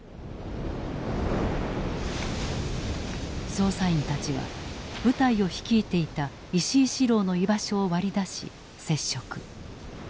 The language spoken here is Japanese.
捜査員たちは部隊を率いていた石井四郎の居場所を割り出し接触。